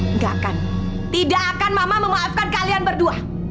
enggak kan tidak akan mama memaafkan kalian berdua